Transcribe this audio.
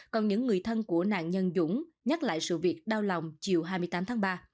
còn những người thân của nạn nhân dũng nhắc lại sự việc đau lòng chiều hai mươi tám tháng ba